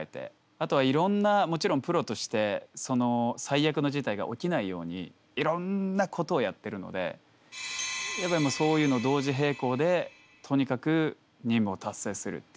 あとはいろんなもちろんプロとして最悪の事態が起きないようにいろんなことをやってるのでやっぱりそういうのを同時並行でとにかく任務を達成するっていうのが。